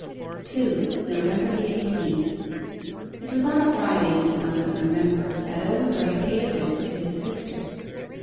2. NOVEMBER THE EIGHTEENTH It was on a Friday in this month of November that Owen Graye paid a visit to his sister.